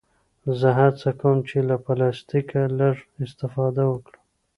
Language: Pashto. زه هڅه کوم چې له پلاستيکه لږ استفاده وکړم.